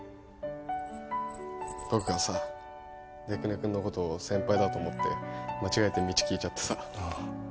僕が出久根君を先輩だと思って間違えて道聞いちゃってさああ